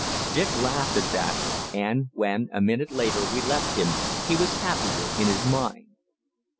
Dick laughed at that, and when, a minute later, we left him, he was happier in his mind.